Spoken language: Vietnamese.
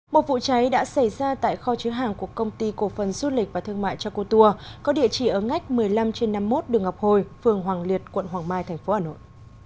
một vụ cháy đã xảy ra tại kho chứa hàng của công ty cổ phần du lịch và thương mại jacob tour có địa chỉ ở ngách một mươi năm trên năm mươi một đường ngọc hồi phường hoàng liệt quận hoàng mai tp hà nội